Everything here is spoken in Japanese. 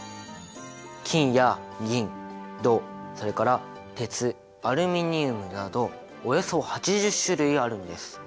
金や銀銅それから鉄アルミニウムなどおよそ８０種類あるんです。